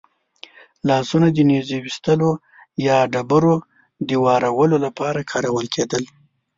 لاسونه د نېزو ویشتلو یا ډبرو د وارولو لپاره کارول کېدل.